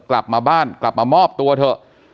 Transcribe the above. กลับมาบ้านกลับมามอบตัวเถอะ